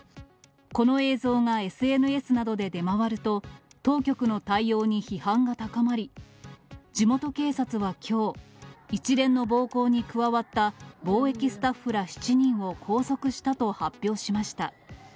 この映像がＳＮＳなどで出回ると、当局の対応に批判が高まり、地元警察はきょう、一連の暴行に加わった防疫スタッフら７人を拘束したと発表しました。